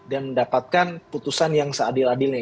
dan mendapatkan putusan yang seadil adilnya